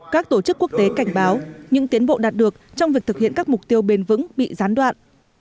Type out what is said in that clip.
các tổ chức quốc tế cảnh báo những tiến bộ đạt được trong việc thực hiện các mục tiêu bền vững bị gián đoạn